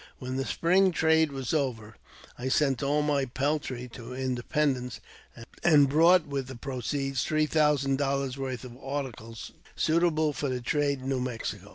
When the spring trade was over, I sent all my peltry to Independence, and bought with the proceeds three thousand doUars worth of articles, suitable for the trade in New Mexico.